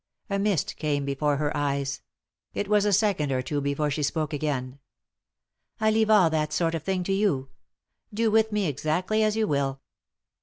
A mist came before her eyes. It was a second or two before she spoke again. " I leave all that sort of thing to you. Do with me exactly as you will."